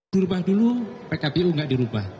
dirubah dulu pkpu gak dirubah